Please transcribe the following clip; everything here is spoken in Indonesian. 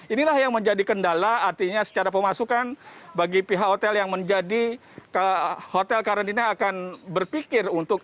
inilah yang menjadi kendala artinya secara pemasukan bagi pihak hotel yang menjadi hotel karantina akan berpikir untuk